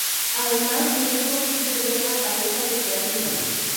Además, no es posible ver la cabeza desde arriba.